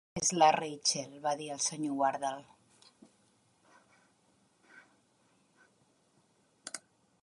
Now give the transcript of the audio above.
""On és la Rachael?", va dir el Sr. Wardle".